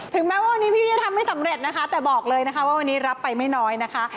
แม้ว่าวันนี้พี่จะทำไม่สำเร็จนะคะแต่บอกเลยนะคะว่าวันนี้รับไปไม่น้อยนะคะ